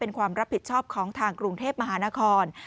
เป็นความรับผิดชอบของทางกรุงเทพมหานคร